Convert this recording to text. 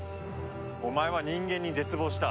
お前は人間に絶望した。